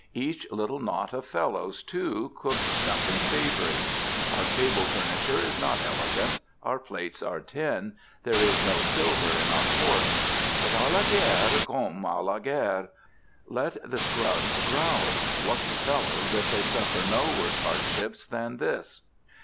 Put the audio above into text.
Each little knot of fellows, too, cooks something savory. Our table furniture is not elegant, our plates are tin, there is no silver in our forks; but à la guerre, comme à la guerre. Let the scrubs growl! Lucky fellows, if they suffer no worse hardships than this!